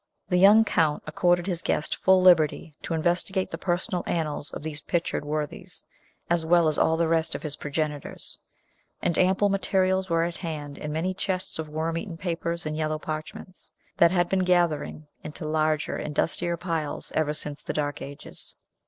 The young Count accorded his guest full liberty to investigate the personal annals of these pictured worthies, as well as all the rest of his progenitors; and ample materials were at hand in many chests of worm eaten papers and yellow parchments, that had been gathering into larger and dustier piles ever since the dark ages.